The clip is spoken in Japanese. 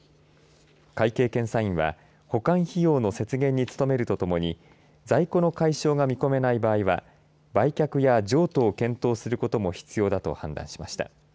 会計検査院は保管費用の節減に努めるとともに在庫の解消が見込めない場合は売却や譲渡を検討することも必要だと判断しました。